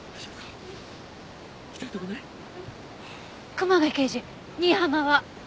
熊谷刑事新浜は？